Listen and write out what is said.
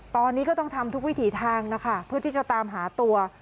ตอนนี้ก็ต้องทำทุกวิถีทางนะคะเพื่อที่จะตามหาตัว